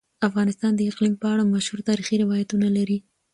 افغانستان د اقلیم په اړه مشهور تاریخی روایتونه لري.